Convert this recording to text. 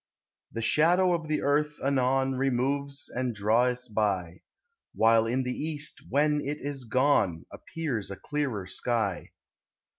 The shadow of the earth anon Removes and drawis by, While in the East, when it is gone, Appears a clearer sky.